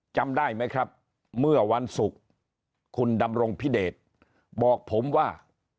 จำได้ไหมครับเมื่อวันศุกร์คุณดำรงพิเดชบอกผมว่า